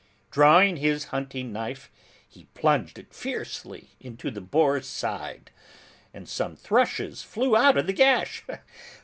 Drawing his hunting knife, he plunged it fiercely into the boar's side, and some thrushes flew out of the gash.